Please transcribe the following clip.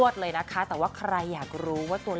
ใช่ค่ะ